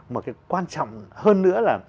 mà cái quan trọng hơn nữa là